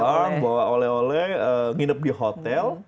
bawa uang bawa oleh oleh nginep di hotel